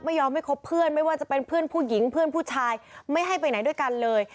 ไม่ยอมให้คบเพื่อนไม่ว่าจะเป็นเพื่อนผู้หญิงเพื่อนผู้ชายไม่ให้ไปไหนด้วยกันเลย